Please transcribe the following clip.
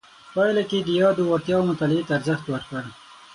پایله کې یې د یادو وړتیاو مطالعې ته ارزښت ورکړ.